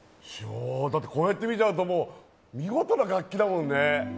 こうやって見ちゃうと、見事な楽器だもんね。